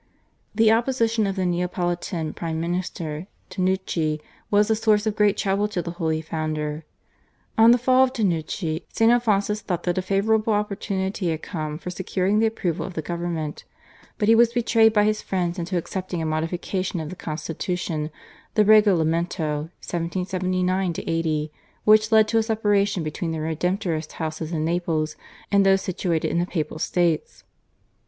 The opposition of the Neapolitan prime minister, Tanucci, was a source of great trouble to the holy founder. On the fall of Tanucci St. Alphonsus thought that a favourable opportunity had come for securing the approval of the government, but he was betrayed by his friends into accepting a modification of the constitution, the /Regolamento/ (1779 80), which led to a separation between the Redemptorist houses in Naples and those situated in the Papal States.